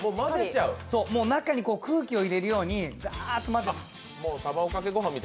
中に空気を入れるようにがーっと混ぜる。